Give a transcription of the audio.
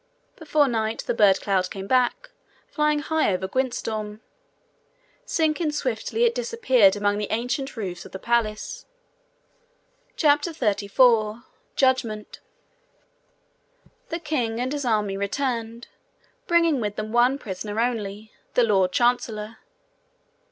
Before night the bird cloud came back, flying high over Gwyntystorm. Sinking swiftly, it disappeared among the ancient roofs of the palace. CHAPTER 34 Judgement The king and his army returned, bringing with them one prisoner only, the lord chancellor.